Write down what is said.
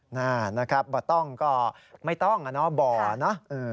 นะครับบะต้องก็ไม่ต้องนะบ่อนะ